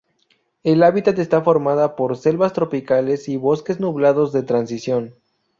El hábitat está formado por selvas tropicales y bosques nublados de transición.